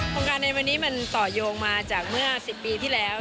โครงการในวันนี้มันต่อโยงมาจากเมื่อ๑๐ปีที่แล้ว